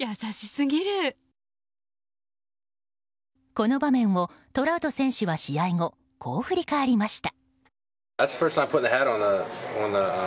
この場面をトラウト選手は試合後、こう振り返りました。